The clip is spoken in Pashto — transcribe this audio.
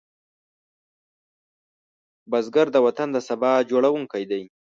بزګر د وطن د سبا جوړوونکی دی